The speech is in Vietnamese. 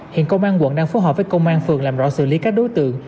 hiện công an quận đang phối hợp với công an phường làm rõ xử lý các đối tượng